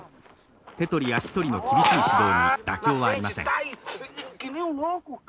手取り足取りの厳しい指導に妥協はありません。